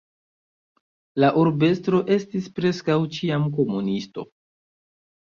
La urbestro estis preskaŭ ĉiam komunisto.